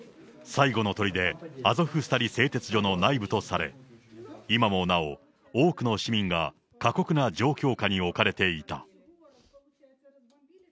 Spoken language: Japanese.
最後のとりで、アゾフスタリ製鉄所の内部とされ、今もなお、多くの市民が過酷な状況下に置かれていた。